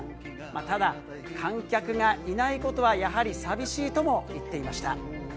ただ、観客がいないことは、やはり寂しいとも言っていました。